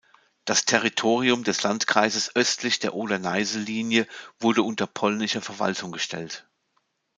Das Territorium des Landkreises östlich der Oder-Neiße-Linie wurde unter polnische Verwaltung gestellt.